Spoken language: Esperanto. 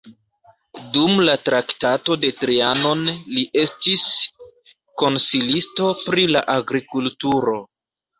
Dum la Traktato de Trianon li estis konsilisto pri la agrikulturo.